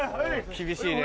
厳しいね。